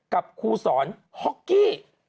กับครูสอนฮอกกี้